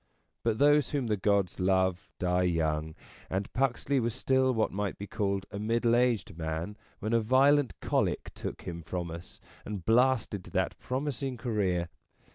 But those whom the gods love die young ; and Puxley was still what might be called a middle aged man when a violent colic took him from us and blasted that pro mising career.